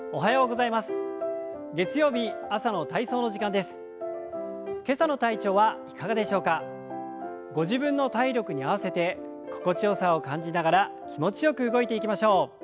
ご自分の体力に合わせて心地よさを感じながら気持ちよく動いていきましょう。